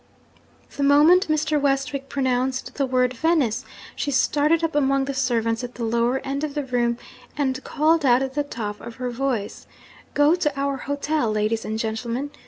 The moment Mr. Westwick pronounced the word "Venice," she started up among the servants at the lower end of the room, and called out at the top of her voice, "Go to our hotel, ladies and gentlemen!